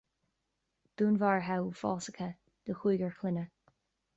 Dúnmharuithe uafásacha de chúigear clainne